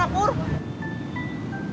ibu mbak jurnal